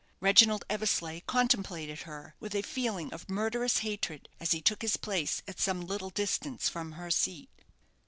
Reginald Eversleigh contemplated her with a feeling of murderous hatred, as he took his place at some little distance from her seat.